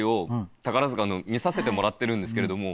宝塚のを見させてもらってるんですけれども。